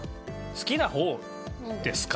好きな方ですからね。